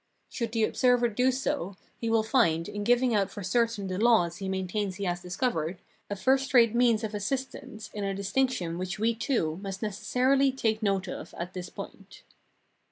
Should the observer do so, he will find, in giving out for certain the laws he maintains he has discovered, a first rate means of assistance in a distinction which we too must necessarily take note of at this point.